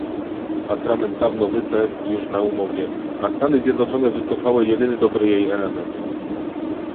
Atrament dawno wysechł już na umowie, a Stany Zjednoczone wycofały jedyny dobry jej element